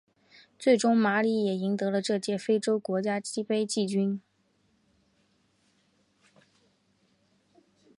最终马里也赢得了这届非洲国家杯季军。